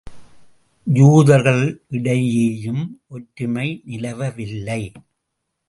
யூதர்களிடையேயும் ஒற்றுமை நிலவவில்லை.